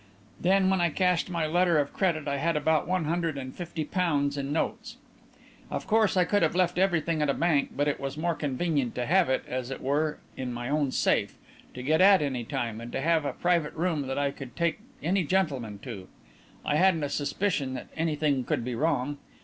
Then when I cashed my letter of credit I had about one hundred and fifty pounds in notes. Of course I could have left everything at a bank but it was more convenient to have it, as it were, in my own safe, to get at any time, and to have a private room that I could take any gentlemen to. I hadn't a suspicion that anything could be wrong.